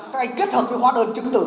các anh kết hợp với hóa đơn chứng tử